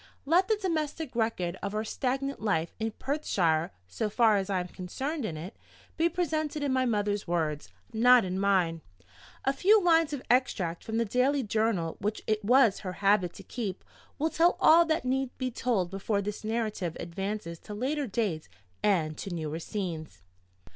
Let the domestic record of our stagnant life in Perthshire (so far as I am concerned in it) be presented in my mother's words, not in mine. A few lines of extract from the daily journal which it was her habit to keep will tell all that need be told before this narrative advances to later dates and to newer scenes.